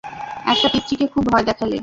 একটা পিচ্চিকে খুব ভয় দেখালে।